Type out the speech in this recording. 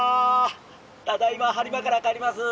ただいま播磨から帰ります。